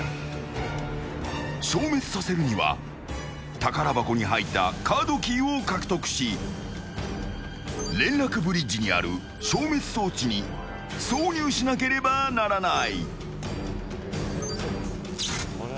消滅させるには宝箱に入ったカードキーを獲得し連絡ブリッジにある消滅装置に挿入しなければならない。